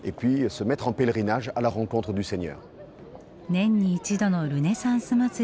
年に一度のルネサンス祭り。